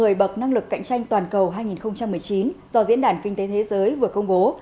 một mươi bậc năng lực cạnh tranh toàn cầu hai nghìn một mươi chín do diễn đàn kinh tế thế giới vừa công bố